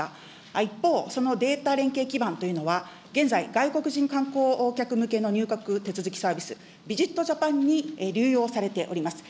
一方、そのデータ連携基盤というのは、現在、外国人観光客向けの入国手続きサービス、ビジットジャパンに流用されております。